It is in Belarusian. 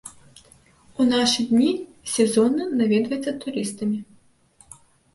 У нашы дні сезонна наведваецца турыстамі.